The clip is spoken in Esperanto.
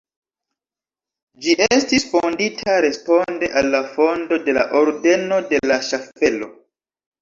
Ĝi estis fondita responde al la fondo de la ordeno de la ŝaffelo.